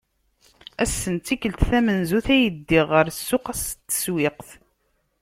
Ass-en d tikelt tamenzut ay ddiɣ ɣer ssuq ass n tsewwiqt.